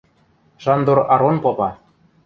– Шандор Арон попа.